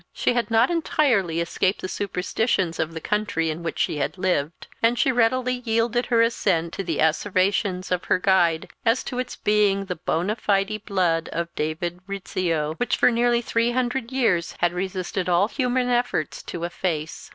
She had not entirely escaped the superstitions of the country in which she had lived; and she readily yielded her assent to the asseverations of her guide as to its being the bona fide blood of David Rizzio, which for nearly three hundred years had resisted all human efforts to efface.